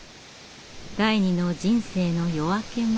第二の人生の夜明け前。